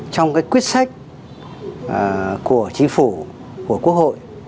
trong cái quyết sách của chính phủ của quốc hội